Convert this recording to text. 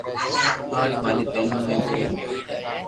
آٺ ماري ٻينو ھي جي مون